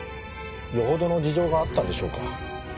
よほどの事情があったんでしょうか？